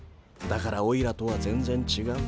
だからおいらとは全然違う。